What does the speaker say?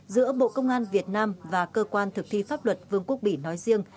giữa bộ công an việt nam và cơ quan thực thi pháp luật vương quốc bỉ nói riêng